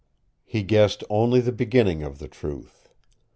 He guessed only the beginning of the truth.